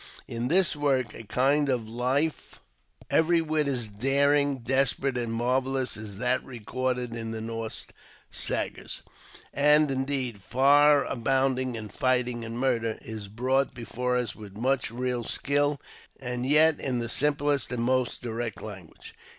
In this work a kind of life every whit as daring, desperate, and marvellous as that recorded in the Norse sagas, and, indeed, far more abound ing in fighting and murder, is brought before us with much real skill, and yet in the simplest and most direct language.